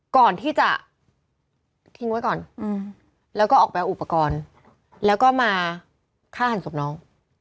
ก่อนที่จะทิ้งไว้ก่อนแล้วก็ออกไปเอาอุปกรณ์แล้วก็มาฆ่าหันศพน้อง